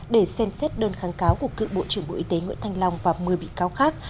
để xem xét đơn kháng cáo của cựu bộ trưởng bộ y tế nguyễn thanh long và một mươi bị cáo khác